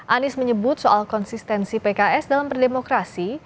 anies menyebut soal konsistensi pks dalam berdemokrasi